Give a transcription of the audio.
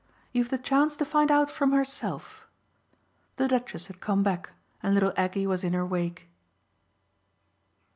"You've the chance to find out from herself!" The Duchess had come back and little Aggie was in her wake.